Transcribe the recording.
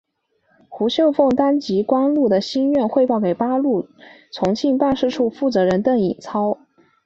胡绣凤当即将关露的心愿汇报给八路军重庆办事处负责人邓颖超。